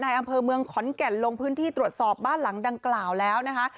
อำเภอเมืองขอนแก่นลงพื้นที่ตรวจสอบบ้านหลังดังกล่าวแล้วนะคะ